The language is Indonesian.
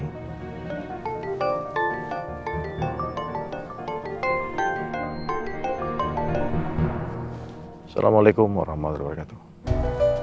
assalamualaikum warahmatullahi wabarakatuh